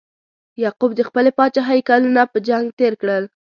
یعقوب د خپلې پاچاهۍ کلونه په جنګ تیر کړل.